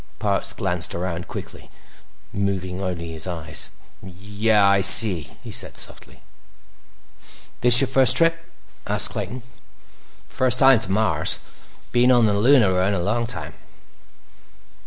Parks glanced around quickly, moving only his eyes. "Yeah. I see," he said softly. "This your first trip?" asked Clayton. "First one to Mars. Been on the Luna run a long time."